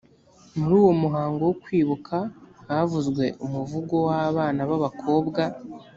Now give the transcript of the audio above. muri uwo muhango wo kwibuka havuzwe umuvugo w abana b abakobwa